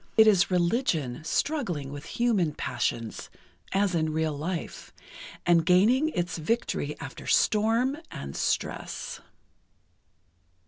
It is religion struggling with human passions, as in real life, and gaining its victory after storm and stress.